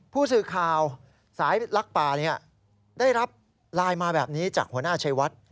ผู้สื่อข่าวสายลักป่าได้รับไลน์มาแบบนี้จากหัวหน้าชัยวัด